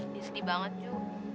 dia sedih banget ju